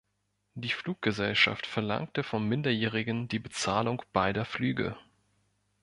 Die Fluggesellschaft verlangte vom Minderjährigen die Bezahlung beider Flüge.